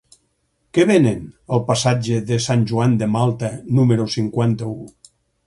Què venen al passatge de Sant Joan de Malta número cinquanta-u?